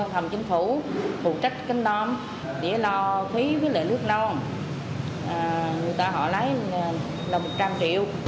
thầm chính phủ phụ trách cánh đoan đĩa lò khí với lợi nước non người ta họ lấy là một trăm linh triệu